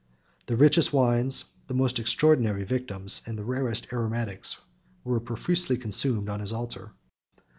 The richest wines, the most extraordinary victims, and the rarest aromatics, were profusely consumed on his altar.